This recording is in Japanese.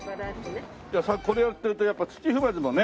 これやってるとやっぱ土踏まずもね。